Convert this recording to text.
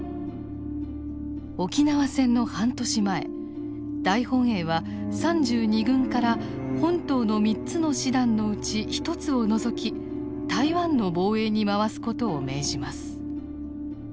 沖縄戦の半年前大本営は３２軍から本島の３つの師団のうち１つを除き台湾の防衛に回す事を命じます。